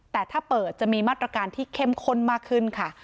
แต่ถ้าเปิดจะมีมาตรการที่เข้มข้นมากขึ้นค่ะ